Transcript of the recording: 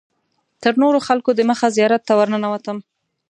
تر نورو خلکو دمخه زیارت ته ورننوتم.